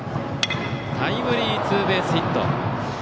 タイムリーツーベースヒット。